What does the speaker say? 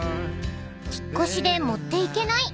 ［引っ越しで持っていけない］